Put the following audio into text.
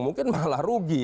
mungkin malah rugi